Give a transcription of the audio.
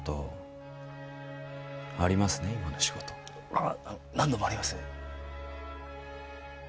あぁあの何度もあります。